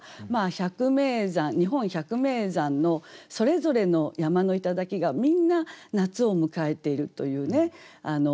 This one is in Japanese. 百名山日本百名山のそれぞれの山の頂がみんな夏を迎えているというね。